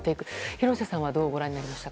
廣瀬さんはどうご覧になりましたか？